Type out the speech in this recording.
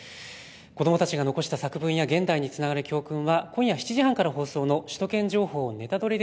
子どもたちが残した作文や現代につながる教訓は今夜７時半から放送の首都圏情報ネタドリ！